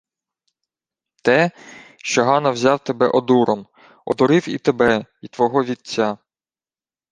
— Те, що Гано взяв тебе одуром. Одурив і тебе, й твого вітця.